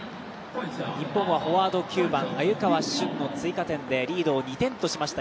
日本はフォワード９番鮎川峻の追加点でリードを２点としました